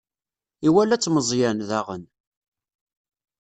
Iwala-tt Meẓyan, daɣen.